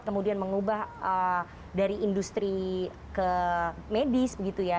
kemudian mengubah dari industri ke medis begitu ya